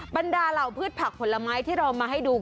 บรรดาเหล่าพืชผักผลไม้ที่เรามาให้ดู